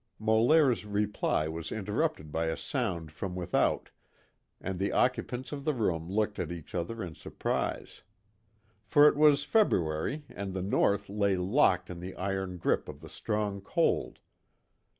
Molaire's reply was interrupted by a sound from without, and the occupants of the room looked at each other in surprise. For it was February and the North lay locked in the iron grip of the strong cold.